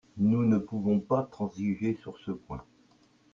Nous ne pouvons pas transiger sur ce point.